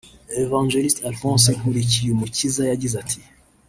Ev Alphonse Nkurikiyumukiza yagize ati